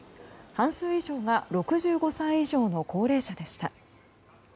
半数以上が６５歳以上の高齢者でした。